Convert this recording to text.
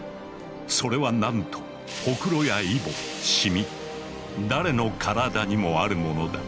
それはなんとほくろやイボシミ誰の体にもあるものだ。